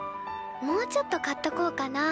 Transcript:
もうちょっと買っとこうかな。